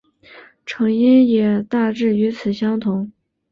成因也大致与此相同。